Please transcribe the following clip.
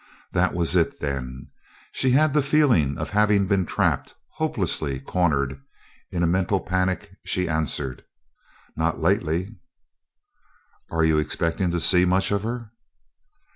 That was it, then! She had the feeling of having been trapped hopelessly cornered. In a mental panic she answered: "Not lately." "Are you expecting to see much of her?"